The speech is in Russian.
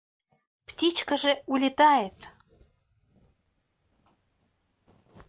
Птичка же улетает.